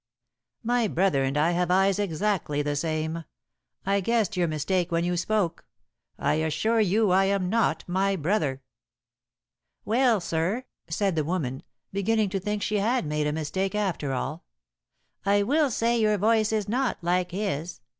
"My brother and I have eyes exactly the same. I guessed your mistake when you spoke. I assure you I am not my brother." "Well, sir," said the woman, beginning to think she had made a mistake after all, "I will say your voice is not like his.